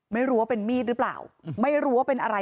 ไม่รู้ว่าเป็นมีดหรือเปล่าไม่รู้ว่าเป็นอะไร